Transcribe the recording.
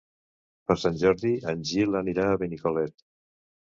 Per Sant Jordi en Gil anirà a Benicolet.